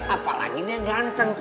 apalagi dia ganteng